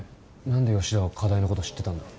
何で吉田は課題のこと知ってたんだ？